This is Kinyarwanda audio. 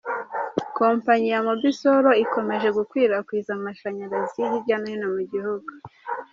Komanyi ya Mobisol ikomeje gukwirakwiza amashanyarazi hirya no hino mu gihugu.